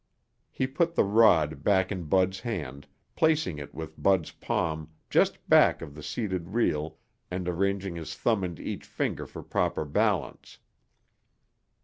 He put the rod back in Bud's hand, placing it with Bud's palm just back of the seated reel and arranging his thumb and each finger for proper balance.